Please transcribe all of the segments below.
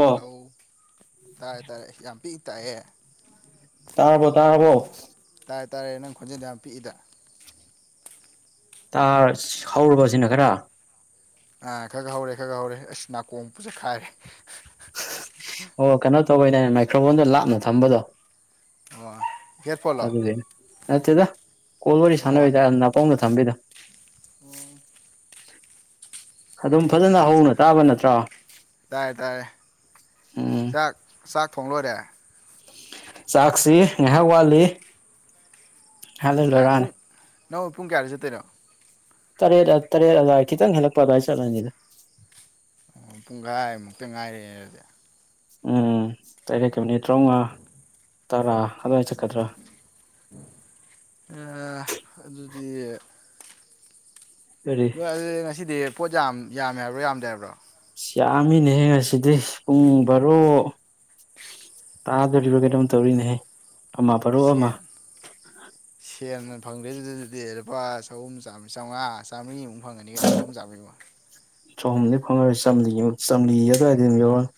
Hello ꯇꯥꯏꯌꯦ ꯇꯥꯏꯌꯦ ꯌꯥꯝ ꯄꯤꯛꯏ ꯇꯥꯏꯍꯦ ꯇꯥꯔꯕꯣ ꯇꯥꯔꯕꯣ ꯇꯥꯔꯦ ꯇꯥꯔꯦ ꯅꯪ ꯈꯣꯟꯖꯦꯜꯗꯨ ꯌꯥꯝ ꯄꯤꯛꯏꯗ ꯇꯥꯔ ꯍꯧꯔꯕ ꯁꯤꯅ ꯈꯔ ꯈꯒ ꯍꯧꯔꯦ ꯈꯒ ꯍꯧꯔꯦ ꯑꯁ ꯅꯥꯀꯣꯡ ꯕꯨ ꯁꯦꯒꯥꯏꯔꯦ ꯑꯣ ꯀꯩꯅꯣ ꯇꯧꯕꯩꯅꯦ ꯃꯥꯏꯀ꯭ꯔꯣꯐꯣꯟꯗꯣ ꯂꯥꯞꯅ ꯊꯝꯕꯗꯣ ꯑꯣ ꯍꯦꯠꯐꯣꯟꯂꯣ ꯑꯗꯨꯒꯤ ꯅꯠꯇꯦꯗ ꯀꯣꯜ ꯋꯥꯔꯤ ꯁꯥꯟꯅꯕꯩꯗ ꯅꯥꯀꯣꯡꯗ ꯊꯝꯕꯤꯗꯣ ꯑꯣ ꯑꯗꯨꯝ ꯑ ꯐꯖꯅ ꯍꯧꯅ ꯇꯥꯕ ꯅꯠꯇ꯭ꯔꯣ ꯇꯥꯏꯌꯦ ꯇꯥꯏꯌꯦ ꯎꯝ ꯆꯥꯛ ꯆꯥꯛ ꯊꯣꯡ ꯂꯣꯏꯔꯦ ꯆꯥꯛꯁꯤ ꯉꯥꯏꯍꯥꯛ ꯋꯥꯠꯂꯤ ꯉꯥꯏꯍꯥꯛ ꯂꯩ ꯂꯣꯏꯔꯛꯑꯅꯤ ꯄꯨꯡ ꯅꯪꯅ ꯄꯨꯡ ꯀꯌꯥꯗꯩꯩ ꯆꯠꯇꯣꯏꯅꯣ ꯇꯔꯦꯠ ꯇꯔꯦꯠ ꯑꯗꯥꯏ ꯈꯤꯇꯪ ꯍꯦꯜꯂꯛꯄ ꯑꯗꯨꯋꯥꯏ ꯆꯠꯂꯅꯤꯗ ꯑꯣ ꯄꯨꯡꯈꯥꯏꯃꯨꯛꯇ ꯉꯥꯏꯔꯦꯅꯦ ꯑꯗꯨꯗꯤ ꯎꯝ ꯇꯔꯦꯠꯀ ꯃꯤꯠꯅꯤꯠ ꯇꯔꯥꯃꯉꯥ ꯇꯔꯥ ꯑꯗꯨꯋꯥꯏ ꯆꯠꯀꯗ꯭ꯔꯥ ꯑꯗꯨꯗꯤ ꯎ ꯅꯣꯏ ꯉꯁꯤꯗꯤ ꯄꯣꯠ ꯌꯥꯝ ꯌꯥꯝꯃꯦ ꯍꯥꯏꯕ꯭ꯔꯣ ꯌꯥꯝꯗ꯭ꯔ ꯍꯥꯏꯕ꯭ꯔꯣ ꯑꯁ ꯌꯥꯝꯃꯤꯅꯦꯍꯌꯦ ꯉꯁꯤꯗꯤ ꯄꯨꯡ ꯕꯥꯔꯣ ꯇꯥꯗꯣꯔꯤꯕ ꯀꯩꯅꯣꯝ ꯇꯧꯔꯤꯅꯦꯍꯦ ꯑꯃ ꯕꯥꯔꯣ ꯑꯃ ꯁꯠ ꯁꯦꯝꯅ ꯐꯪꯗꯦꯗꯨꯗꯗꯨꯗꯤ ꯂꯨꯄꯥ ꯆꯍꯨꯝ ꯆ ꯆꯥꯝꯃꯉꯥ ꯆꯥꯝꯃꯔꯤꯃꯨꯛ ꯐꯪꯒꯅꯤ ꯀꯩꯅꯣ ꯆꯍꯨꯝ ꯆꯥꯝꯔꯤꯃꯨꯛ ꯆꯍꯨꯝꯗꯤ ꯐꯪꯉꯔꯣꯏ ꯆꯝ ꯆꯝꯂꯤꯒꯤ ꯑꯗꯨꯋꯥꯏꯗ ꯑꯗꯨꯝ ꯌꯥꯧꯔꯅꯤ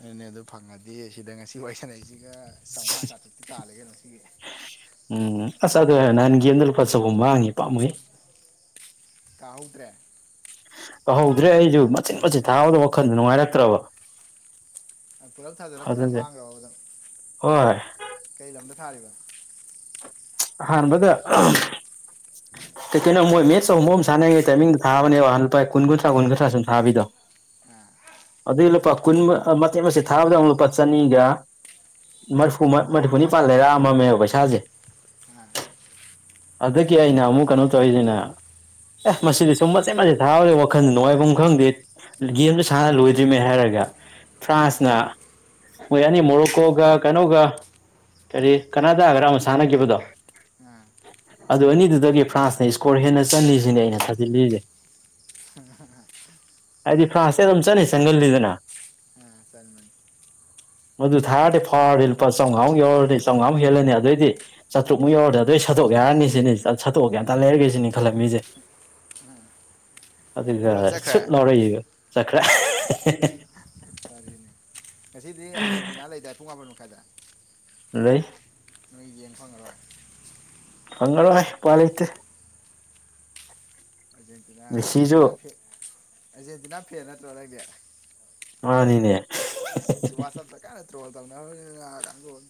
ꯑꯗꯨꯅꯦ ꯑꯗꯨꯣ ꯐꯪꯉꯗꯤ ꯁꯤꯗ ꯉꯁꯤ ꯋꯥꯔꯤꯁꯥꯟꯂꯛꯏꯁꯤꯒ ꯆꯥꯝꯃꯉꯥ ꯆꯥꯇ꯭ꯔꯨꯛꯇꯤ ꯇꯥꯜꯂꯒꯦ ꯉꯣ ꯁꯤꯒꯤ ꯎꯝ ꯑ ꯑꯗꯨ ꯅꯍꯥꯟꯒꯤꯦꯝꯗ ꯂꯨꯄꯥ ꯆꯍꯨꯝ ꯃꯥꯡꯉꯤ ꯄꯥꯝꯃꯩ ꯀꯥꯍꯧꯗ꯭ꯔꯦ ꯇꯧꯍꯧꯗ꯭ꯔꯦ ꯑꯩꯁꯨ ꯃꯆꯤꯠ ꯃꯆꯤꯠ ꯊꯥꯗꯕ ꯋꯥꯈꯜꯗꯣ ꯅꯨꯡꯉꯥꯏꯔꯛꯇ꯭ꯔꯕ ꯄꯨꯂꯞ ꯊꯥꯖꯜꯂꯒ ꯄꯨꯂꯞ ꯑꯗꯨꯒꯤ ꯃꯥꯡꯈꯔ꯭ ꯕ ꯑꯗꯣ ꯍꯣꯏ ꯀꯩ ꯂꯝꯗ ꯊꯥꯔꯤꯕ ꯑꯍꯥꯟꯕꯗ ꯀꯩꯀꯩꯅꯣ ꯃꯣꯏ ꯃꯦꯁ ꯑꯃ ꯁꯥꯟꯅꯩ ꯇꯥꯏꯃꯤꯡꯗ ꯊꯕꯅꯦꯕ ꯂꯨꯄꯥ ꯀꯨꯟ ꯀꯨꯟꯊ꯭ꯔꯥ ꯁꯨꯝ ꯊꯕꯤꯗꯣ ꯑꯥ ꯑꯗꯨꯏ ꯂꯨꯄꯥ ꯀꯨꯟ ꯃꯆꯦꯠ ꯃꯆꯦꯠ ꯊꯥꯕꯗ ꯑꯃꯨꯛ ꯂꯨꯄꯥ ꯆꯅꯤꯒ ꯃꯔꯐꯨ ꯃꯔꯐꯨꯅꯤ ꯄꯥꯟ ꯂꯩꯔꯛꯑꯝꯃꯕꯅꯦꯕ ꯄꯩꯁꯥꯁꯦ ꯑꯥ ꯑꯗꯨꯗꯒꯤ ꯑꯩꯅ ꯑꯃꯨꯛ ꯀꯩꯅꯣ ꯇꯧꯔꯤꯁꯤꯅꯦ ꯑꯦ ꯃꯁꯤꯗꯤ ꯁꯨꯝ ꯃꯆꯦꯠ ꯃꯆꯦꯠ ꯊꯥꯕꯁꯦ ꯋꯥꯈꯜ ꯅꯨꯡꯉꯥꯏꯕꯐꯝ ꯈꯪꯗꯦꯅ ꯒꯦꯝꯁꯨ ꯁꯥꯟꯅ ꯂꯣꯏꯗ꯭ꯔꯤꯃꯩ ꯍꯥꯏꯔꯒ ꯐ꯭ꯔꯥꯟꯁꯅ ꯃꯣꯏ ꯌꯥꯅꯤ ꯃꯣꯔꯣꯛꯀꯣꯒ ꯀꯩꯅꯣꯒ ꯀꯔꯤ ꯀꯅꯥ ꯇꯒꯔꯥ ꯑꯃ ꯁꯥꯟꯅꯈꯤꯕꯗꯣ ꯎꯝ ꯑꯗꯨ ꯑꯅꯤꯗꯨꯗꯒꯤ ꯐ꯭ꯔꯥꯟꯁꯅ ꯏꯁꯀꯣꯔ ꯍꯦꯟꯅ ꯆꯂꯤꯁꯤꯅꯦ ꯑꯩꯅ ꯊꯥꯖꯤꯜꯂꯤꯁꯦ ꯍꯥꯏꯗꯤ ꯐ꯭ꯔꯥꯟꯁꯁꯦ ꯑꯗꯨꯝ ꯆꯠꯅꯤ ꯆꯪꯒꯜꯂꯤꯗꯅ ꯑꯥ ꯆꯟꯕꯅꯤ ꯃꯗꯨ ꯊꯥꯔꯗꯤ ꯐꯥꯎꯔꯗꯤ ꯂꯨ ꯆꯥꯝꯉꯃꯨꯛ ꯌꯧꯔꯗꯤ ꯆꯥꯝꯉꯥꯨꯛ ꯍꯂꯅꯤ ꯑꯗꯨꯏꯗꯤ ꯆꯇꯨꯛꯨ ꯌꯧꯔꯗꯤ ꯑꯗꯨꯣꯏ ꯁꯠꯇꯣꯛ ꯌꯥꯔꯅꯤ ꯁꯤꯅꯤ ꯁꯠꯇꯣꯛꯑ ꯀꯩꯝꯇ ꯂꯩꯔꯒꯦ ꯁꯤꯅꯤ ꯈꯜꯂꯝꯃꯤꯁꯦ ꯑꯗꯨꯒ ꯄꯨꯂꯞ ꯆꯠꯈ꯭ꯔꯦ ꯁꯨꯠ ꯂꯧꯥꯎꯔꯛꯏ ꯆꯈ꯭ꯔꯥ ꯐꯔꯤꯅꯦ ꯉꯁꯤꯗꯤ ꯑꯥꯔꯖꯦꯟꯇꯤꯅꯥ ꯂꯩꯗꯥ ꯄꯨꯡ ꯃꯥꯄꯟ ꯃꯈꯥꯏꯗ ꯂꯩ ꯅꯣꯏ ꯌꯦꯟ ꯐꯪꯉꯔꯣꯏ ꯐꯪꯥꯏ ꯄꯂꯩꯇ ꯑꯦꯖꯦꯟꯇꯤꯅꯥ ꯃꯦꯁꯤꯁꯨ ꯑꯦꯖꯦꯟꯇꯤꯅꯥ ꯐ ꯑꯦꯖꯦꯟꯇꯤꯅꯥ ꯐꯦ ꯅꯠꯇ꯭ꯔꯣ ꯂꯩꯗꯤ ꯑꯅꯤꯅꯦ ꯋꯥꯁꯇ ꯀꯥꯏꯅ ꯇ꯭ꯔꯣꯜ ꯇꯧ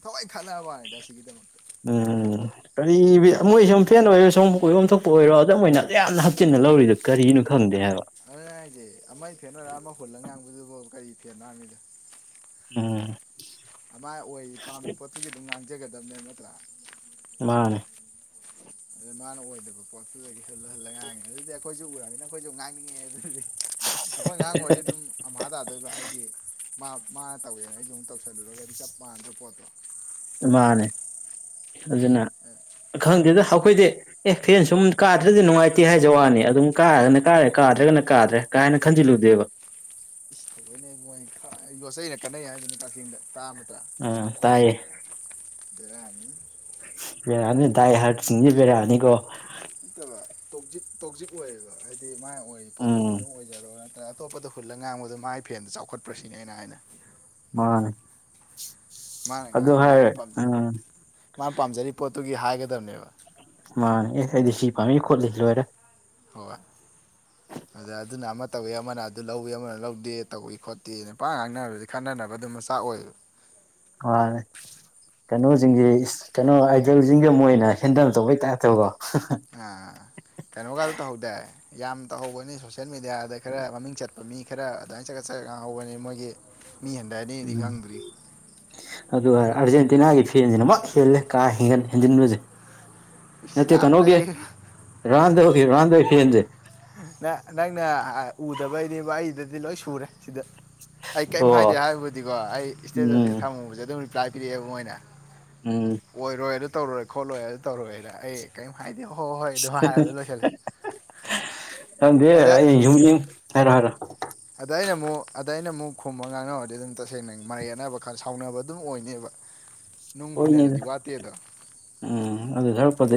ꯊꯋꯥꯏ ꯈꯟꯅꯅꯕꯅꯦꯗ ꯑꯁꯤꯒꯤꯗꯃꯛꯛꯇ ꯎꯝ ꯀ ꯃꯣꯏ ꯁꯨꯝ ꯐꯦꯟ ꯑꯣꯏꯔꯣ ꯁꯨꯝ ꯀꯣꯏꯐꯝꯝ ꯊꯣꯛꯄ ꯑꯣꯏꯔꯣ ꯑꯗꯨ ꯃ ꯑꯣꯏꯅ ꯌꯥꯝꯅ ꯍꯥꯞꯆꯤꯟꯅ ꯂꯧꯔꯤꯗ ꯀꯔꯤꯅꯣ ꯈꯪꯗꯦ ꯍꯥꯏꯕ ꯑꯗꯨ ꯍꯥꯏꯁꯦ ꯑꯃ ꯐꯦꯠꯅꯔ ꯑꯃ ꯍꯨꯜꯂꯒ ꯉꯥꯡꯕꯗꯨꯕ ꯀꯔꯤ ꯐꯦꯠꯅꯔꯝꯃꯤꯗ ꯎꯝ ꯑꯗꯨꯃꯥꯏ ꯑꯣꯏ ꯄꯥꯝꯃꯤ ꯄꯣꯠꯇꯨꯒꯤ ꯑꯗꯨꯝ ꯉꯥꯡꯖꯒꯗꯕꯅꯦꯕ ꯅꯠꯇ꯭ꯔꯥ ꯃꯥꯅꯦ ꯑꯗꯨꯗ ꯃꯥꯅ ꯑꯣꯏꯗꯕ ꯄꯣꯠꯇꯨ ꯑꯣꯏꯔꯁꯨ ꯂꯨꯍꯜꯂꯒ ꯉꯥꯡꯉꯦ ꯑꯗꯨꯗꯤ ꯑꯩꯈꯣꯏꯁꯨ ꯎꯔꯝꯅꯤꯅ ꯑꯩꯈꯣꯏꯁꯨ ꯉꯥꯡꯅꯤꯡꯉꯦ ꯑꯗꯨꯗꯤ ꯑꯩꯈꯣꯏ ꯑꯉꯥꯡ ꯑꯣꯏꯔꯗꯤ ꯑꯗꯨꯝ ꯑꯃ ꯇꯥꯗꯣꯏꯕ ꯍꯥꯏꯗꯤ ꯃꯥ ꯃꯥꯅ ꯇꯧꯋꯦꯅ ꯑꯩ ꯁ ꯑꯃꯨꯛ ꯇꯧꯁꯜꯂꯨꯔꯒꯗꯤ ꯆꯞ ꯃꯥꯟꯅꯗꯕ ꯄꯣꯠꯇꯣ ꯃꯥꯅꯦ ꯑꯗꯨꯅ ꯈꯪꯗꯦꯗ ꯑꯩꯈꯣꯏꯗꯤ ꯑꯦ ꯐꯦꯟ ꯁꯨꯝ ꯀꯥꯗ꯭ꯔꯗꯤ ꯅꯨꯡꯉꯥꯏꯇꯦ ꯍꯥꯏꯖ ꯋꯥꯅꯤ ꯑꯗꯨꯝ ꯀꯥꯔꯒꯅ ꯀꯥꯔꯦ ꯀꯥꯗ꯭ꯔꯒꯅ ꯀꯥꯗ꯭ꯔꯦ ꯀꯥꯏꯅ ꯈꯟꯖꯤꯜꯂꯨꯗꯦꯕ ꯑꯩꯣꯏ ꯃꯣꯏ ꯌꯣꯠꯆꯩꯅ ꯀꯥꯟꯅꯩ ꯍꯥꯏꯗꯅ ꯀꯛꯆꯤꯡꯗ ꯇꯥ ꯑꯃꯗ ꯑ ꯇꯥꯏꯌꯦ ꯑꯗꯨꯔ ꯍꯥꯏꯅꯤ ꯦꯔꯥ ꯍꯅꯤ ꯗꯗꯥꯏ ꯍꯥꯔ ꯆ ꯕꯔꯥ ꯍꯥꯅꯤꯀꯣ ꯅꯠꯇꯕ ꯇ ꯇꯣꯛꯖꯤꯛ ꯑꯣꯏꯌꯦꯦꯕ ꯍꯥꯏꯗꯤ ꯃꯥꯒꯤ ꯑꯣꯏꯔꯤ ꯄꯣꯠꯇꯨꯒꯤ ꯎꯝ ꯑꯗꯨꯝ ꯑꯣꯏꯖꯔꯣ ꯅꯠꯇ꯭ꯔꯒ ꯑꯇꯣꯞꯄꯗ ꯍꯨꯜꯂ ꯉꯥꯡꯕꯗꯣ ꯃꯥꯒꯤ ꯐꯦꯟꯗ ꯆꯥꯎꯈꯠꯄ꯭ꯔꯁꯤꯅꯦꯅ ꯍꯥꯏꯅ ꯃꯥ ꯃꯥꯅ ꯑꯗꯨ ꯉꯥꯡ ꯍꯥꯏꯔ ꯃꯥꯅ ꯄꯥꯝꯖꯩ ꯎꯝ ꯃꯥꯅ ꯄꯥꯝꯖꯔꯤꯕ ꯄꯣꯠꯇꯨꯒꯤ ꯍꯥꯏꯒꯗꯕꯅꯦꯕ ꯃꯥꯅꯦ ꯑꯦ ꯑꯩꯗꯤ ꯁꯤ ꯄꯥꯝꯃꯤ ꯈꯣꯠꯂꯤꯁꯤ ꯂꯣꯏꯔꯦ [inaudible] [inaudible] ꯑꯗ ꯑꯗꯨꯅ ꯑꯃ ꯇꯧꯋꯤ ꯑꯃꯅ ꯑꯗꯨ ꯂꯧꯏ ꯑꯃꯅ ꯂꯧꯗꯦ ꯇꯧꯏ ꯈꯣꯠꯇꯦ ꯅ ꯄꯥꯥꯛꯉꯥꯡ ꯉꯥꯡꯅꯔꯕꯗꯤ ꯈꯟꯅꯅꯕ ꯑꯗꯨꯝ ꯃꯆꯥꯛ ꯑꯣꯏꯌꯦꯕ ꯃꯥꯅꯤ ꯀꯩꯅꯣꯁꯤꯡꯁ ꯀꯩꯅꯣ ꯑꯥꯏꯗꯜꯁꯤꯡꯒ ꯃꯣꯏꯅ ꯍꯦꯟꯗꯜ ꯇꯧꯕꯩ ꯇꯥꯏꯞꯇꯕꯀꯣ ꯑꯥ ꯀꯩꯅꯣꯒꯗ ꯇꯧꯍꯧꯗꯦ ꯌꯥꯝ ꯇꯧꯍꯧꯕꯅꯤ ꯁꯣꯁꯦꯜ ꯃꯦꯗꯤꯌꯥꯗ ꯈꯔ ꯃꯃꯤꯡ ꯆꯠꯄ ꯃꯤ ꯈꯔ ꯑꯗꯨꯃꯥꯏꯅ ꯆꯒꯠꯆ ꯉꯥꯡꯍꯧꯕꯅꯤ ꯃꯣꯏꯒꯤ ꯃꯤ ꯍꯦꯟꯗꯥꯅꯤꯗꯤ ꯎꯝ ꯈꯪꯕꯔꯤ ꯑꯗꯨꯒ ꯑꯥꯔꯖꯦꯟꯇꯤꯅꯥꯒꯤ ꯐꯦꯟꯁꯤꯅꯨ ꯍꯦꯜꯂꯦ ꯀꯥ ꯍꯦꯟꯒꯟ ꯍꯦꯟꯖꯤꯟꯕꯁꯦ ꯏꯁ ꯅꯠꯇꯦ ꯌꯥꯝ ꯀꯩꯅꯣꯒꯤ ꯂꯩ ꯔꯥꯟꯗ ꯔꯥꯟꯗꯧ ꯐꯦꯟꯁꯦ ꯅ ꯅꯪꯅ ꯎꯗꯕꯩꯅꯦꯕ ꯑꯩꯗꯗꯤ ꯂꯣꯏ ꯁꯨꯔꯦ ꯁꯤꯗ ꯑꯩ ꯀꯔꯤꯝ ꯑꯣ ꯍꯥꯏꯗꯦ ꯍꯥꯏꯕꯨꯗꯤꯀꯣ ꯑꯩ ꯏꯁꯇꯦꯖ ꯎꯝ ꯑꯁꯤ ꯊꯝꯃꯨꯕꯁꯦ ꯑꯗꯨꯝ ꯔꯤꯄ꯭ꯂꯥꯏ ꯄꯤꯔꯛꯑꯦꯕ ꯃꯣꯏꯅ ꯎꯝ ꯑꯣꯏꯔꯣꯏ ꯑꯗꯨ ꯇꯧꯔꯣꯏ ꯈꯣꯠꯂꯣꯏ ꯑꯗꯨ ꯇꯧꯔꯣꯏꯅ ꯑꯩ ꯀꯔꯤꯝ ꯍꯥꯏꯗꯦ ꯍꯣꯏ ꯍꯣꯏ ꯑꯗꯨꯝ ꯍꯥꯏꯔꯒ ꯂꯣꯏꯁꯤꯜꯂꯦ ꯅꯗꯦ ꯑꯗ ꯑꯩ ꯌꯨꯝꯒꯤ ꯍꯥꯏꯔ ꯍꯥꯏꯔ ꯑꯗ ꯑꯩꯅ ꯑꯃꯨꯛ ꯑꯗ ꯑꯩꯅ ꯑꯃꯨꯛ ꯈꯨꯝꯕ ꯉꯥꯡꯅꯔꯗꯤ ꯑꯗꯨꯝ ꯇꯁꯦꯡꯅ ꯃꯔꯌꯦꯠꯅꯕ ꯈꯔ ꯁꯥꯎꯅꯕ ꯑꯗꯨꯝ ꯑꯣꯏꯅꯦꯕ ꯅꯨꯡ ꯍꯣꯏꯅꯦ ꯍꯨꯟꯅꯔꯗꯤ ꯋꯥꯠꯇꯦꯗꯣ ꯎꯝ ꯑꯗꯨꯗ ꯁꯔꯛꯄꯗ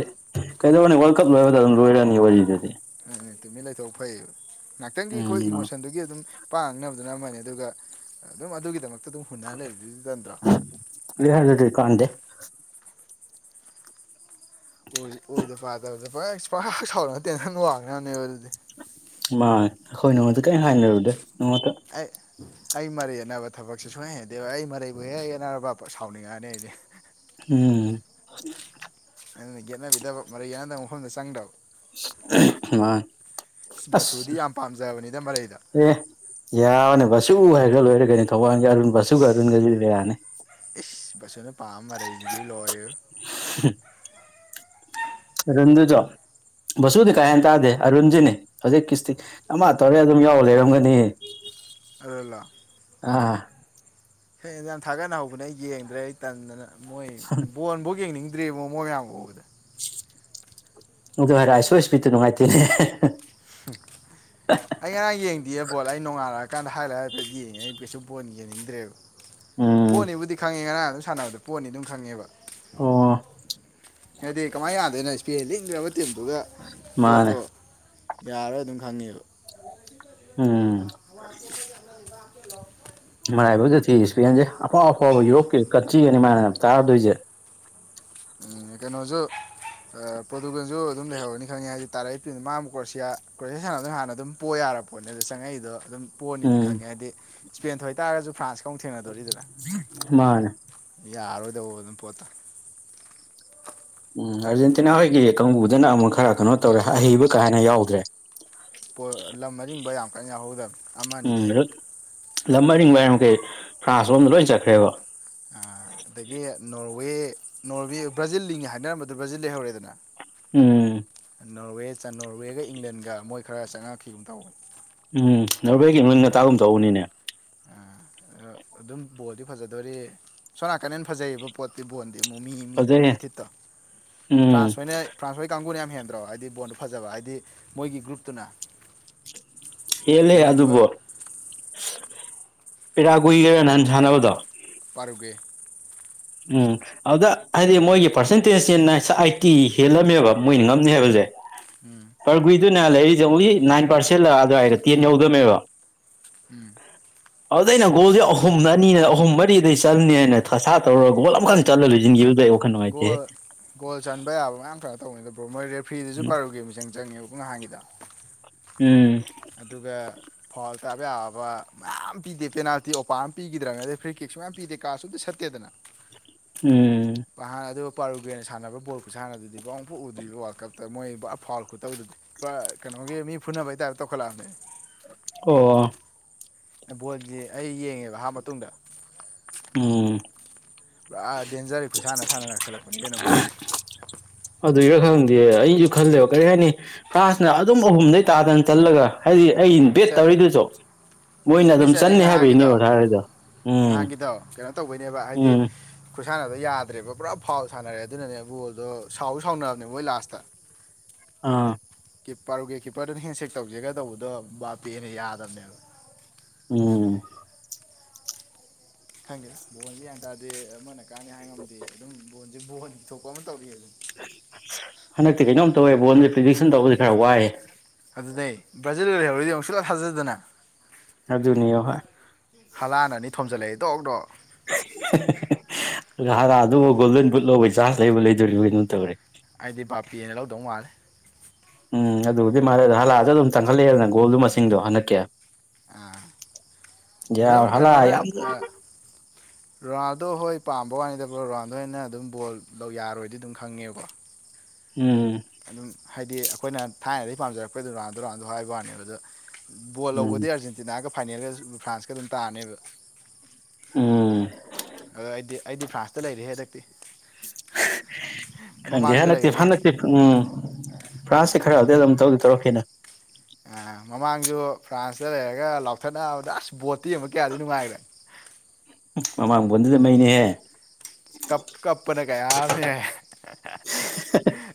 ꯀꯩꯅꯣꯅꯦ ꯋꯥꯔꯜ ꯀꯞ ꯂꯣꯏꯕꯗ ꯑꯗꯨꯝ ꯂꯣꯏꯔꯅꯤ ꯋꯥꯔꯤꯗꯗꯤ ꯎꯝ ꯎ ꯇꯨꯃꯤꯟꯅ ꯂꯩꯊꯣꯛ ꯐꯩꯌꯦ ꯉꯍꯥꯛꯇꯪꯒꯤ ꯑꯩꯈꯣꯏ ꯎꯝ ꯏꯃꯣꯁꯟꯗꯨꯒꯤ ꯒꯤ ꯑꯗꯨꯝ ꯄꯥꯡꯅꯕꯗꯨꯅ ꯑꯃꯅꯤ ꯑꯗꯨꯒ ꯑꯗꯨꯝ ꯑꯗꯨꯒꯤꯗꯃꯛꯇ ꯑꯗꯨꯝ ꯍꯨꯟꯅ ꯂꯩꯕꯗꯨꯗꯤ ꯇꯟꯗ꯭ꯔꯣ [unintelligible] ꯑꯣꯏꯗꯕ ꯄꯥꯗꯕꯗ ꯄꯔ ꯁꯥꯎꯔꯒ ꯇꯦꯟꯁꯟ ꯋꯥꯡꯅꯅꯦꯕ ꯑꯗꯨꯗꯤ ꯃꯥ ꯑꯩꯈꯣꯏ ꯅꯣꯡꯃꯗ ꯀꯔꯤꯝ ꯍꯥꯏꯅꯔꯨꯗꯦ ꯅꯣꯡꯃꯇ ꯑꯩ ꯑꯩ ꯃꯔꯩ ꯌꯦꯠꯅꯕ ꯊꯕꯛꯁꯦ ꯁꯨꯡꯍꯩ ꯍꯩꯅꯗꯦꯕ ꯑꯩ ꯃꯔꯩꯕꯨ ꯍꯦꯛ ꯌꯦꯠꯅꯔꯕ ꯁꯥꯎꯅꯤꯡꯉꯛꯑꯅꯤ ꯑꯩꯗꯤ ꯎꯝ [inaudible] ꯑꯗꯨꯅ ꯌꯦꯠꯅꯕꯤꯗꯕ ꯃꯔꯩ ꯌꯦꯠꯅꯕ ꯃꯐꯝꯗ ꯆꯪꯗꯕ [unintelligible] ꯕꯁꯨꯗꯤ ꯑꯁ ꯌꯥꯝ ꯄꯥꯝꯖꯕꯅꯤꯗ ꯃꯔꯩꯗ ꯌꯥꯅꯤ ꯕꯥꯁꯨꯨ ꯍꯥꯏꯒ꯭ꯔ ꯂꯣꯏꯔꯦ ꯀꯩꯅꯣ ꯊꯧꯕꯥꯜꯒꯤ ꯑꯔꯨꯟ ꯕꯥꯁꯨꯨꯒ ꯏꯁ ꯑꯔꯨꯟꯒꯁꯨ ꯌꯥꯅꯤ ꯏꯁ ꯕꯁꯨꯅ ꯄꯥꯝꯕ ꯃꯔꯩꯁꯤꯗꯤ ꯂꯣꯏꯔꯦ [inaudible] ꯑꯔꯨꯟꯗꯨꯖꯨ ꯕꯁꯨꯗꯤ ꯀꯥꯌꯥ ꯍꯥꯏꯅ ꯇꯥꯗꯦ ꯑꯔꯨꯟꯖꯤꯅꯦ ꯍꯧꯖꯤꯛ ꯀꯤꯁꯇꯤ ꯑꯃ ꯇꯧꯔꯦ ꯑꯗꯨꯝ ꯌꯥꯎꯔ ꯂꯩꯔꯝꯒꯅꯤ ꯑꯔꯨꯟꯂꯣ ꯑꯥ ꯍ ꯌꯦꯟꯁ ꯌꯥꯝ ꯊꯥꯒꯠꯅ ꯍꯧꯕꯅꯦ ꯑꯩ ꯌꯦꯡꯗ꯭ꯔꯦ ꯑꯩ ꯇꯟꯗꯅ ꯃꯣꯏ ꯕꯣꯟꯐꯧ ꯌꯦꯡꯅꯤꯡ ꯗꯔ꯭ꯦ ꯃꯣꯏ ꯌꯥꯝ ꯑꯗꯨ ꯍꯥꯏꯔ ꯑꯥꯏ ꯁꯣ ꯏꯁꯄꯤꯠꯇ ꯅꯨꯡꯉꯥꯏꯇꯦꯅꯦ ꯊꯦꯡꯌꯨ ꯑꯩ ꯉꯔꯥꯡ ꯌꯦꯡꯗꯦ ꯕꯣꯜ ꯑꯩ ꯅꯣꯡꯉꯥꯜꯂꯀꯥꯟꯗ ꯍꯥꯏ ꯂꯥꯏꯠ ꯌꯦꯡꯉꯦ ꯑꯩ ꯀꯩꯁꯨ ꯕꯣꯜ ꯌꯦꯡꯅꯤꯡꯗ꯭ꯔꯦꯕ ꯎꯝ ꯄꯣꯠꯅꯤꯕꯨꯗꯤ ꯈꯪꯉꯦ ꯉꯔꯥꯡ ꯑꯗꯨꯝ ꯁꯥꯟꯅꯕꯗ ꯄꯣꯅꯤ ꯑꯗꯨꯝ ꯈꯪꯉꯦꯕ ꯑꯣ ꯍꯥꯏꯗꯤ ꯀꯃꯥꯏꯅ ꯌꯥꯗꯣꯏꯅꯣ ꯏꯁꯄꯦꯟꯒꯤ ꯂꯤꯡꯈ꯭ꯔꯕ ꯇꯤꯝꯗꯨꯒ ꯄꯣꯠꯇꯣ ꯃꯥꯅꯦ ꯌꯥꯔꯔꯣꯏ ꯑꯗꯨꯝ ꯈꯪꯉꯦꯕ ꯎꯝ ꯣ ꯏꯕꯇ ꯂꯑꯣ ꯃꯔꯥꯏꯐꯥꯎꯗ ꯊꯤ ꯏꯁꯄꯦꯟꯁꯦ ꯑꯐꯥꯎ ꯑꯐꯥꯎꯕ ꯌꯨꯔꯣꯞꯀꯤ ꯀꯟꯇ꯭ꯔꯤꯒꯅꯤ ꯃꯥꯅ ꯆꯥꯔꯗꯣꯏꯁꯦ ꯎ ꯏꯩꯅꯣꯖꯁꯨ ꯄꯣꯗꯨꯒꯜꯁꯨ ꯑꯗꯨꯝ ꯂꯩꯍꯧꯔꯅꯤ ꯈꯪꯉꯤ ꯍꯥꯏꯖꯤꯗꯤ ꯇꯥꯔꯛꯏ ꯃꯥ ꯀꯣꯌꯥ ꯀꯣꯁꯤꯥꯟ ꯑꯗꯨꯝ ꯍꯥꯟꯅ ꯑꯗꯨꯝ ꯄꯣ ꯌꯥꯔꯕ ꯍꯣꯠꯅꯗ ꯆꯪꯉꯛꯏꯗꯣ ꯑꯗꯨꯝ ꯄꯣꯠꯅꯤꯗꯤ ꯎꯝ ꯈꯪꯉꯦ ꯍꯥꯏꯗꯤ ꯏꯁꯄꯦꯟ ꯊ ꯑꯣꯏꯇꯥꯥꯔꯒꯁꯨ ꯐ꯭ꯔꯥꯟꯁꯀ ꯑꯃꯨꯛ ꯊꯦꯡꯅꯗꯣꯔꯤꯗꯅ ꯃꯥꯅꯦ ꯌꯥꯔ ꯑꯣꯏꯗꯧꯕ ꯑꯗꯨꯝ ꯄꯣꯠꯇ ꯎꯝ ꯑꯥꯔꯖꯦꯟꯇꯤꯅꯥ ꯍꯣꯏꯒꯤ ꯀꯥꯡꯕꯨꯗꯅ ꯑꯃꯨꯛ ꯈꯔ ꯀꯩꯅꯣ ꯇꯧꯔꯦ ꯑꯍꯩꯕ ꯀꯥꯥꯏꯅ ꯌꯥꯎꯗ꯭ꯔꯦ ꯄ ꯂꯝ ꯑꯔꯤꯡꯕ ꯌꯥꯝ ꯀꯟꯅ ꯌꯥꯎꯍꯧꯗꯕ ꯎꯝꯗ ꯂꯝ ꯑꯔꯤꯡꯕ ꯃꯈꯩ ꯐ꯭ꯔꯥꯟꯁꯂꯣꯝꯗ ꯂꯣꯏ ꯆꯠꯈ꯭ꯔꯦꯕ ꯑꯗꯒꯤ ꯅꯣꯔꯋꯦ ꯅꯣꯔꯋꯦ ꯕ꯭ꯔꯥꯖꯤꯜ ꯂꯤꯡꯉꯦ ꯍꯥꯏꯅꯔꯝꯕꯗꯣ ꯕ꯭ꯔꯥꯖꯤꯜꯗ ꯂꯩꯍꯧꯔꯦꯗꯅ ꯎꯝ ꯅꯣꯔꯋꯦ ꯅꯣꯔꯋꯦꯒ ꯏꯪꯂꯦꯟꯒ ꯃꯣꯏ ꯈꯔ ꯆꯪꯉꯛꯈꯤꯕꯒꯨꯝ ꯇꯧꯋꯦ ꯎꯝ ꯅꯣꯔꯋꯦꯒꯤ ꯅꯣꯏ ꯉꯇꯥꯒꯨꯝ ꯇꯧꯕꯅꯤꯅꯦ ꯑ ꯑꯗꯨꯝ ꯕꯣꯜꯗꯤ ꯐꯖꯗꯣꯔꯤ ꯁꯣꯅꯥꯀꯗ ꯍꯅ ꯐꯖꯩꯌꯦꯕ ꯄꯣꯠꯇꯤ ꯕꯣꯜ ꯑꯃꯨ ꯃꯤ ꯐꯖꯩꯍꯦ ꯃꯤ ꯊꯤꯠꯇ ꯎꯝ ꯐ꯭ꯔꯥꯟꯁ ꯍꯣꯏꯅ ꯐ꯭ꯔꯥꯟꯁ ꯍꯣꯏꯒꯤ ꯀꯥꯡꯕꯨꯅ ꯌꯥꯝ ꯍꯦꯟꯗ꯭ꯔꯣ ꯍꯥꯏꯗꯤ ꯕꯣꯟꯗꯨ ꯐꯖꯕ ꯍꯥꯏꯗꯤ ꯃꯣꯏꯒꯤ ꯒ꯭ꯔꯨꯞꯇꯨꯅ ꯍꯦꯜꯂꯦ ꯂꯤꯡꯕ ꯑꯗꯨꯕꯨ ꯄꯦꯔꯥ ꯀꯨꯏꯒꯦꯔꯥ ꯅꯍꯥꯟ ꯁꯥꯟꯅꯕꯗꯣ ꯄꯥꯔꯨꯒꯦ꫰꫰ ꯎꯝ꯫ ꯑꯗꯨꯗ ꯍꯥꯏꯗꯤ ꯃꯣꯏꯒꯤ ꯄꯥꯔꯁꯦꯟꯇꯦꯖꯁꯦ ꯑꯥꯏꯇꯤ ꯍꯦꯜꯂꯝꯃꯦꯕ ꯃꯣꯏꯅ ꯉꯝꯅꯤ ꯍꯥꯏꯕꯁꯦ꯫ ꯎꯝ꯫ ꯄꯔꯒꯨꯏꯗꯨꯅ ꯂꯩꯔꯤꯁꯦ ꯑꯣꯡꯂꯤ ꯅꯥꯏꯟ ꯄꯥꯔꯁꯦꯟ ꯂ ꯑꯗꯨꯋꯥꯏꯗ ꯇꯦꯟ ꯌꯧꯗꯗꯝꯅꯦꯕ꯫ ꯎꯝ꯫ ꯑꯗꯨꯗ ꯑꯩꯅ ꯒꯣꯜꯁꯦ ꯑꯍꯨꯝ ꯑꯅꯤꯅ ꯑꯍꯨꯝ ꯃꯔꯤꯗꯩ ꯆꯜꯅꯦ ꯍꯥꯏꯅ ꯑꯁꯥ ꯇꯧ ꯒꯣꯠ ꯑꯦ ꯑꯃꯈꯀ ꯆꯠꯂ ꯂꯣꯏꯁꯤꯟꯈꯤꯕꯗ ꯑꯩ ꯋꯥꯈꯜ ꯅꯨꯡꯉꯇꯦ ꯒꯣꯜ ꯒꯣꯜ ꯆꯟꯕ ꯌꯥꯕ ꯃꯌꯥꯝ ꯈꯔ ꯇꯧꯅꯤꯗꯣ ꯕꯣ ꯃꯣꯏ ꯔꯦꯐ꯭ꯔꯤꯗꯁꯨ ꯄꯥꯔꯨ ꯒꯦꯝꯁ ꯆꯪꯉꯕꯣ ꯅꯍꯥꯟꯒꯤꯗ ꯎꯝ ꯑꯗꯨꯒ ꯐꯥꯎꯜ ꯇꯥꯕ ꯌꯥꯕ ꯃꯌꯥꯝ ꯄꯤꯗꯦ ꯄꯦꯅꯥꯜꯇꯤ ꯑꯣꯄꯥ ꯑꯃ ꯄꯤꯈꯤꯗ꯭ꯔꯕꯅꯤ ꯑꯩ ꯐ꯭ꯔꯤ ꯀꯦꯛꯛꯁꯨ ꯃꯌꯥꯝ ꯄꯤꯗꯦ ꯀꯥꯔꯁꯨ ꯑꯝ ꯁꯠꯇꯦꯗꯅ ꯎꯝ ꯥꯟ ꯑꯗꯨ ꯄꯥꯔꯨ ꯒꯦꯦꯟꯅꯥꯟꯅꯕ ꯕꯣꯜ ꯈꯨꯠꯁꯥꯟꯅꯗꯨꯗꯤꯥꯎꯨꯐꯣꯛ ꯎꯗ꯭ꯔꯤꯕ ꯋꯥꯔꯜ ꯀꯞꯇ ꯃꯣꯏ ꯑ ꯐꯥꯎꯔ ꯈꯨꯣꯠꯇꯧꯗꯗꯤ ꯄꯨꯔꯥ ꯀꯩꯅꯣꯒꯤ ꯃꯤ ꯐꯨꯅꯕꯩ ꯇꯥꯏꯞꯇ ꯇꯧꯈꯠꯂꯛꯑꯝꯅꯦ꯫ ꯑꯣ꯫ ꯕꯣꯜꯗꯤ ꯑꯩ ꯌꯦꯡꯉꯦꯕ ꯍꯥꯞ ꯃꯇꯨꯡꯗ꯫ ꯎꯝ꯫ ꯄꯨꯔꯥ ꯗꯦꯟꯖꯔꯦ ꯑꯩꯈꯣꯏꯁꯥꯅ ꯁꯥꯟꯅ ꯉꯈꯠꯂꯛꯄꯅꯤ ꯀꯩꯅꯣ ꯃꯣꯏ꯫ ꯑꯗꯨꯔ ꯈꯪꯗꯦ ꯑꯩꯁꯨ ꯈꯜꯗꯦꯕ ꯀꯔꯤ ꯍꯥꯏꯅꯤ꯫ ꯐ꯭ꯔꯥꯟꯁꯅ ꯑꯗꯨꯝ ꯑꯍꯨꯝꯗꯩ ꯇꯥꯗꯅ ꯆꯜꯂꯒ ꯍꯥꯏꯗꯤ ꯑꯩ ꯕꯦꯠ ꯇꯧꯔꯤꯗꯨꯁꯨ꯫ ꯃꯣꯏꯅ ꯆꯅꯤ ꯑꯗꯨꯝ ꯆꯠꯅꯤ ꯆꯟꯅꯤ ꯉꯍꯥꯟꯒꯤꯗꯣ ꯍꯥꯏꯕꯒꯤꯅꯦꯕ ꯊꯥꯔꯤꯗꯣ ꯎꯝ ꯉꯍꯥꯟꯒꯤꯗꯣ ꯀꯩꯅꯣ ꯇꯧꯕꯩꯅꯦꯕ ꯍꯥꯏꯗꯤ꯫ ꯎꯝ ꯈꯨꯠꯁꯥꯟꯅꯗ ꯌꯥꯗ꯭ꯔꯦꯕ ꯄꯨꯔꯥ ꯐꯥꯎ ꯁꯥꯟꯅꯔꯦ ꯑꯗꯨꯅꯅꯦ ꯕꯣꯜꯗꯣ ꯁꯥꯎ ꯁꯥꯎꯅꯕꯅꯦ ꯃꯣꯏ ꯂꯥꯁꯇ꯫ ꯑꯥ꯫ ꯄꯔꯨꯒꯦꯠ ꯀꯤꯞꯄꯔꯗꯨꯅ ꯍꯦꯟꯁꯦꯛ ꯇꯧꯖꯦꯒ ꯇꯧꯕꯗꯣ ꯕꯥꯄꯦꯅ ꯌꯥꯗꯝꯅꯦꯕ꯫ ꯎꯝ꯫ ꯈꯪꯗꯦ ꯕꯣꯟꯁꯦꯒ꯭ꯌꯥꯟ ꯇꯥꯗꯦ ꯑꯃꯅ ꯀꯥꯟꯅꯤ ꯍꯥꯏ ꯉꯝꯗꯦ ꯑꯗꯨꯝ ꯕꯣꯟꯁꯦ ꯕꯣꯟ ꯊꯣꯛꯄ ꯑꯃ ꯇꯧꯔꯤ ꯑꯗꯨꯅꯤ꯫ ꯍꯟꯗꯛꯇꯤ ꯀꯩꯅꯣꯝ ꯇꯧꯋꯦ ꯕꯣꯟꯁꯦ ꯄ꯭ꯔꯤꯗꯤꯛꯁꯟ ꯇꯧꯕꯁꯤ ꯈꯔ ꯋꯥꯏꯑꯦ꯫ ꯑꯗꯨꯗ ꯕ꯭ꯔꯥꯖꯤꯜꯗ ꯂꯩꯍꯧꯔꯤꯗꯣ ꯁꯨꯡꯊꯥ ꯊꯥꯖꯗꯅ꯫ ꯑꯗꯨꯅꯦꯌꯣ꯫ ꯍꯂꯥꯟꯅꯅꯤ ꯊꯣꯝꯖꯤꯜꯂꯛꯑꯦ ꯗꯣꯛ ꯗꯣꯛ꯫ ꯍꯥꯔꯥ ꯑꯗꯨꯕꯨ ꯒꯣꯜꯗꯟ ꯕꯨꯠ ꯂꯧꯕꯩ ꯆꯥꯟꯁ ꯂꯩꯕꯨ ꯂꯩꯗꯣꯔꯤꯕ ꯀꯩꯅꯣꯝ ꯇꯧꯔꯦ꯫ ꯑꯩꯗꯤ ꯕꯥꯞꯄꯦꯅ ꯂꯧꯗꯧ ꯃꯥꯜꯂꯦ꯫ ꯎꯝ ꯑꯗꯨꯕꯨꯗꯤ ꯃꯥꯥꯏꯂꯦ ꯑꯗꯨ ꯍꯂꯟꯑꯁꯨ ꯑꯗꯨꯝ ꯇꯪꯈꯠꯂꯛꯑꯦꯗꯅ ꯒꯣꯜꯗꯨ ꯃꯁꯤꯡꯗꯣ ꯍꯟꯗꯛꯀꯤ ꯑꯥ ꯑꯗꯨꯝ ꯌꯥꯎꯔꯦ ꯍꯥꯂꯥ ꯀꯩꯅꯣꯅ ꯌꯥꯝ ꯔꯣꯅꯥꯜꯗꯣ ꯍꯣꯏ ꯄꯥꯝꯕ ꯋꯥꯅꯤꯗ ꯔꯤꯅꯥꯜꯗꯣ ꯍꯣꯏꯅ ꯑꯗꯨꯝ ꯕꯣꯜ ꯌꯥꯔꯣꯏꯗꯤ ꯑꯗꯨꯝ ꯈꯪꯉꯦꯕ ꯎꯝ ꯑꯗꯨꯝ ꯍꯥꯏꯗꯤ ꯑꯩꯈꯣꯏꯅ ꯊꯥꯏꯅꯗꯒꯤ ꯄꯥꯝꯖꯔꯛꯄꯩ ꯔꯣꯅꯥꯜꯗꯣ- ꯔꯣꯅꯥꯜꯗꯣ ꯍꯥꯏꯕ ꯋꯥꯅꯦ ꯑꯗꯨꯗ ꯕꯣꯜ ꯎꯝ ꯂꯧꯕꯗꯤ ꯑꯥꯔꯖꯦꯟꯇꯤꯅꯥꯒ ꯐꯥꯏꯅꯦꯜꯒ ꯐ꯭ꯔꯥꯟꯁꯀ ꯑꯗꯨꯝ ꯇꯥꯔꯅꯦꯕ ꯎꯝ ꯑ ꯑꯩꯗꯤ ꯑꯩꯗꯤ ꯐ꯭ꯔꯥꯟꯁꯇ ꯂꯩꯔꯦ ꯍꯟꯗꯛꯇꯤ ꯈꯪꯗꯦ ꯃꯃꯥꯡꯁꯨ ꯍꯟꯗꯥꯛꯇꯤ ꯂꯩꯕꯅꯤ ꯍꯟꯗꯥꯛ꯫ ꯎꯝ ꯐ꯭ꯔꯥꯟꯁꯦ ꯈꯔ ꯗꯤ ꯑꯗꯨꯝ ꯇꯧꯗꯤ ꯇꯧꯔꯛꯈꯤꯅꯤ꯫ ꯑ ꯃꯃꯥꯡꯁꯨ ꯐ꯭ꯔꯥꯟꯁꯇ ꯂꯩꯔꯒ ꯂꯥꯎꯊꯠꯅꯕꯗ ꯑꯁ ꯕꯣꯠꯇ ꯌꯦꯡꯕꯗꯤ ꯀꯌꯥꯗꯤ ꯅꯨꯡꯉꯥꯏꯈ꯭ꯔꯦ꯫ ꯃꯃꯥꯡꯕꯣꯟꯗꯨꯗꯤ ꯃꯩꯅꯤꯍꯦ꯫ ꯀꯞ ꯀꯞꯄꯅꯦ ꯀꯌꯥ ꯑꯃꯅꯦ꯫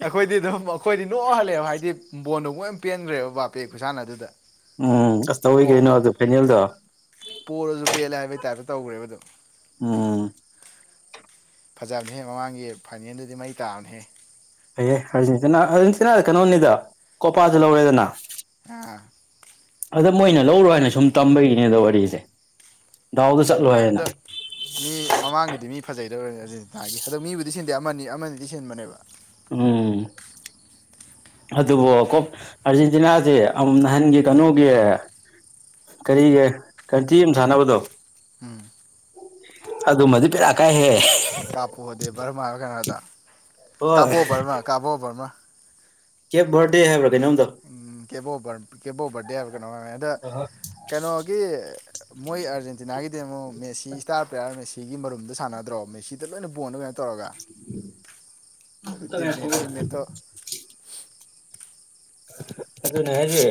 ꯑꯩꯈꯣꯏꯗꯤ ꯑꯗꯨꯝ ꯑꯩꯈꯣꯏꯗꯤ ꯅꯣꯛ ꯍꯜꯂꯛꯑꯦꯕ ꯍꯥꯏꯗꯤ ꯕꯣꯟꯗꯨ ꯑꯃꯨꯛ ꯍꯦꯟꯅ ꯄꯦꯟꯈ꯭ꯔꯦꯕ ꯕꯥꯄꯦꯒꯤ ꯈꯨꯁꯥꯟꯅ ꯑꯗꯨꯗ꯫ ꯎꯝ ꯑꯁ ꯇꯧꯋꯏ ꯀꯩꯅꯣ ꯑꯗꯨ ꯐꯥꯏꯅꯦꯜꯗꯣ꯫ ꯄꯣꯔꯔꯁꯨ ꯄꯦꯜꯂꯦ ꯍꯥꯏꯕꯩ ꯇꯥꯏꯞꯇ ꯇꯧꯈ꯭ꯔꯦꯕꯗꯣ꯫ ꯎꯝ ꯐꯖꯕꯅꯦꯍꯦ ꯃꯃꯥꯡꯒꯤ ꯐꯥꯏꯅꯦꯜꯗꯨꯗꯤ ꯃꯩ ꯇꯥꯕꯅ ꯍꯦ ꯐꯩꯌꯦ ꯑꯔꯖꯦꯟꯇꯤꯅꯥ- ꯑꯥꯔꯖꯦꯟꯇꯤꯅꯥ ꯀꯩꯅꯣꯅꯤꯗ ꯀꯣꯄꯥꯁꯨ ꯂꯧꯔꯦꯗꯅ ꯍ ꯑꯗ ꯃꯣꯏꯅ ꯂꯧꯔꯣ ꯍꯥꯏꯅ ꯁꯨꯝ ꯇꯝꯕꯒꯤꯅꯦ ꯑꯗꯣ ꯋꯥꯔꯤꯁꯦ ꯗꯥꯎꯗ ꯑꯥ ꯆꯠꯂꯣ ꯍꯥꯏꯅ ꯑꯗꯣ ꯃꯤ ꯃꯃꯥꯡꯒꯤꯗꯤ ꯃꯤ ꯐꯖꯩꯗꯧꯔꯅꯤ ꯑꯔꯖꯦꯟꯇꯤꯅꯥꯒꯤ ꯑꯗꯣ ꯃꯤꯕꯨꯗꯤ ꯁꯤꯟꯗꯦ ꯑꯃꯅꯤ ꯑꯃꯅꯤꯗꯤ ꯁꯤꯟꯕꯅꯦꯕ ꯎꯝ ꯑꯗꯨꯕꯨ ꯀ ꯑꯔ ꯖꯤꯅꯥꯁꯦ ꯑꯃꯨꯛ ꯅꯍꯥꯟꯒꯤ ꯀꯩꯅꯣꯒꯤ ꯀꯔꯤꯒ ꯀꯟꯇꯤ ꯑꯃ ꯁꯥꯟꯅꯕꯗꯣ ꯎꯝ ꯑꯗꯨꯃꯗꯨ ꯕꯦꯔꯥ ꯀꯥꯏꯍꯦ ꯍꯥꯥꯞꯄꯨꯗꯦ ꯕꯔꯃꯥ ꯍꯥꯏꯕ ꯀꯩꯅꯣꯗ ꯍꯣꯏ ꯀꯥꯕꯣ ꯕꯔꯃ ꯀꯥꯕꯣ ꯕꯔꯃꯥ ꯀꯦꯞ ꯕꯔꯗꯦ ꯍꯥꯏꯕ꯭ꯔꯒꯩꯅꯣꯝꯗ ꯎꯝ ꯀꯦꯄꯣꯕꯔ ꯀꯄꯣꯕꯔꯗꯤ ꯍꯥꯏꯕ ꯀꯩꯅꯣꯅꯤ ꯑꯗ ꯀꯩꯅꯣꯒꯤ ꯃꯣꯏ ꯑꯥꯔꯖꯦꯟꯇꯤꯅꯥꯒꯤꯗꯤ ꯑꯃꯨꯛ ꯃꯦꯁꯤ ꯏꯁꯇꯥꯔ ꯄ꯭ꯂꯦꯌꯥꯔ ꯃꯦꯁꯤꯒꯤ ꯃꯔꯨꯝꯗ ꯁꯥꯟꯅꯗ꯭ꯔꯣ ꯃꯦꯁꯤꯗ ꯂꯣꯏꯅ ꯕꯣꯟ ꯇꯧꯔꯒ ꯇ ꯇꯤꯝꯃꯦꯠꯇꯣ ꯑꯗꯨꯅꯖꯤ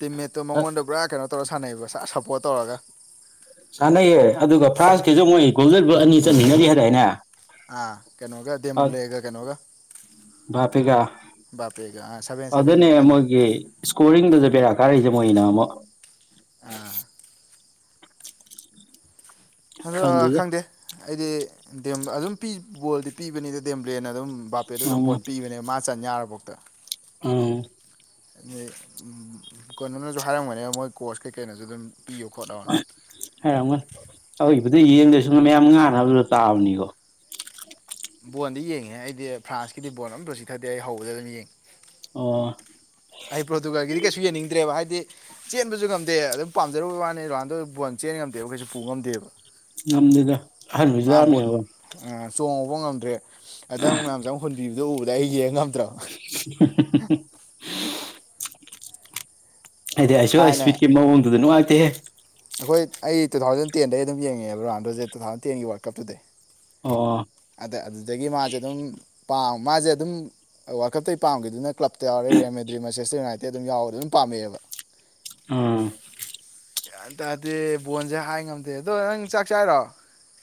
ꯇꯤꯝꯃꯦꯠꯇꯣ ꯃꯉꯣꯟꯗ ꯄꯨꯔꯥ ꯀꯩꯅꯣ ꯇꯧꯔ ꯁꯥꯟꯅꯩꯔꯤꯕ꯭ꯔꯥ ꯁꯞꯄꯣꯔꯠ ꯇꯧꯔꯒ ꯁꯥꯟꯅꯩꯌꯦ ꯑꯗꯨꯒ ꯐ꯭ꯔꯥꯟꯁꯀꯤꯁꯨ ꯃꯣꯏ ꯒꯣꯜꯗꯔ ꯑꯅꯤ ꯆꯠꯃꯤꯟꯅꯔꯤ ꯍꯥꯏꯔꯏꯅꯦ ꯑꯥ ꯀꯩꯅꯣꯒ ꯗꯦꯝ꯭ꯂꯦꯒ ꯀꯩꯅꯣꯒ ꯕꯥꯄꯤꯒ ꯕꯥꯄꯦꯒ ꯁꯕꯦ ꯑꯗꯨꯅꯦ ꯃꯣꯏꯒꯤ ꯏꯁꯀꯣꯔꯤꯡꯗꯨꯁꯨ ꯕꯦꯔꯥ ꯀꯥꯔꯛꯏꯁꯦ ꯃꯣꯏꯅ ꯑꯃꯨꯛ ꯑ ꯑꯗꯣ ꯈꯪꯗꯦꯗ ꯈꯪꯗꯦ ꯑꯩꯗꯤ ꯑꯗꯨꯝ ꯕꯣꯜꯗꯤ ꯄꯤꯕꯅꯤꯗ ꯗꯦꯝꯕ꯭ꯂꯦꯅ ꯑꯗꯨꯝ ꯕꯥꯄꯦꯗ ꯑꯗꯨꯝ ꯎꯝ ꯕꯣꯟ ꯄꯤꯕꯅꯦꯕ ꯃꯥ ꯆꯟ ꯌꯥꯔꯕꯧꯗ ꯎꯝ ꯑ ꯀꯣꯅꯣꯅꯁꯨ ꯍꯥꯏꯔꯝꯒꯅꯦꯕ ꯃꯣꯏ ꯀꯣꯔꯁ ꯀꯩꯀꯩꯅꯣꯁꯨ ꯑꯗꯨꯝ ꯄꯤꯌꯨ ꯈꯣꯠꯅꯣ ꯍꯥꯏꯔꯝꯒꯅꯤ ꯑꯩꯈꯣꯏꯕꯨꯗꯤ ꯌꯦꯡꯗꯁꯨ ꯃꯌꯥꯝ ꯉꯥꯅꯕꯗ ꯇꯥꯕꯅꯤꯀꯣ ꯕꯣꯟꯜꯗꯤ ꯌꯦꯡꯉꯦ ꯑꯩꯗꯤ ꯐ꯭ꯔꯥꯟꯁꯀꯤꯗꯤ ꯕꯣꯜ ꯑꯃꯇ ꯆꯤꯊꯗꯦ ꯑꯩ ꯍꯧꯕꯗ ꯑꯗꯨꯝ ꯌꯦꯡꯉꯦ ꯑꯣ ꯑꯩ ꯄ꯭ꯔꯣꯇꯨꯒꯥꯜꯒꯤꯗꯤ ꯀꯩꯁꯨ ꯌꯦꯡꯅꯤꯡꯗ꯭ꯔꯦꯕ ꯍꯥꯏꯗꯤ ꯆꯦꯟꯕꯁꯨ ꯉꯝꯗꯦ ꯑꯗꯨꯝ ꯄꯥꯝꯖꯔꯨꯕ ꯋꯥꯅꯤ ꯔꯍꯥꯟꯗꯣ ꯆꯦꯟ ꯉꯝꯗꯦꯕ ꯀꯩꯁꯨ ꯄꯨ ꯉꯝꯗꯦꯕ ꯉꯝꯗꯦꯗ ꯑꯍꯟ ꯃꯥ ꯕꯣꯜ ꯑꯣꯏꯁꯤꯜꯂꯛꯑꯕꯅꯤꯅꯀꯣ ꯆꯣꯡꯍꯧꯕ ꯉꯝꯗ꯭ꯔꯦ ꯈꯤꯗꯪ ꯃꯌꯥꯝꯆꯡ ꯑꯃꯨꯛ ꯍꯨꯟꯕꯤꯌꯨ ꯂ ꯎꯕꯗ ꯑꯩ ꯌꯦꯡ ꯉꯝꯇ꯭ꯔꯣ [unintelligible] ꯑꯩꯗꯤ ꯊꯥꯏꯅ ꯑꯩꯁꯣꯏꯁꯄꯤꯠꯀꯤ ꯃꯑꯣꯡꯗꯨꯗ ꯅꯨꯡꯉꯥꯏꯇꯦꯍꯦ ꯑꯩꯈꯣꯏ ꯑꯩ ꯇꯨ ꯊꯥꯎꯖꯟ ꯇꯦꯟꯗꯩ ꯑꯗꯨꯝ ꯌꯦꯡꯉꯦ ꯔꯣꯅꯥꯟꯗꯣꯁꯦ ꯇꯨ ꯊꯥꯎꯖꯟ ꯇꯦꯟꯒꯤ ꯋꯥꯔꯜ ꯀꯞꯇꯨꯗꯩ ꯑꯣ ꯑꯗ ꯑꯗꯨꯗꯒꯤ ꯃꯥꯁꯦ ꯑꯗꯨꯝ ꯄꯥ ꯃꯥꯁꯦ ꯑꯗꯨꯝ ꯋꯥꯜꯀꯞꯇꯩ ꯄꯥꯝꯈꯤꯗꯨꯅ ꯀ꯭ꯂꯞ ꯧꯔꯦ ꯔꯦꯃꯦꯗ꯭ꯔꯤ ꯃꯁꯦꯁꯇ ꯌꯨꯅꯥꯏꯇꯦ ꯑꯗꯨꯝꯎꯔꯦ ꯑꯗꯨꯝ ꯄꯥꯝꯃꯛꯑꯦꯕ ꯎꯝ ꯒꯌꯥꯟ ꯇꯥꯗꯦ ꯕꯣꯟꯁꯦ ꯍꯥꯏ ꯉꯝꯗꯦ ꯑꯗꯣ ꯅꯪ ꯆꯥꯛ ꯆꯥꯏꯔꯣ